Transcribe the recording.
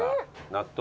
納豆。